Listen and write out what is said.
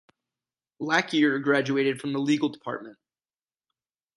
Lakier graduated from the Legal Dept.